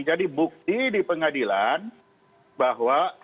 jadi bukti di pengadilan bahwa